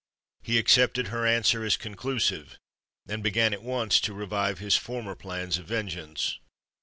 He accepted her answer as conclusive, and began at once to revive his former plans of vengeance.